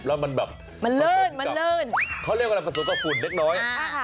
แล้วมันแบบมันลื่นเขาเรียกว่าฝนตกฝุ่นเล็กน้อย